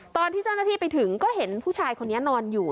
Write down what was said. ตอนที่เจ้าหน้าที่ไปถึงก็เห็นผู้ชายคนนี้นอนอยู่